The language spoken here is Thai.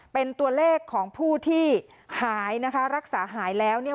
เป็นตัวเลขของผู้ที่หายนะคะรักษาหายแล้วเนี่ย